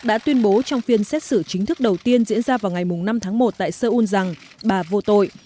đã tuyên bố trong phiên xét xử chính thức đầu tiên diễn ra vào ngày năm tháng một tại seoul rằng bà vô tội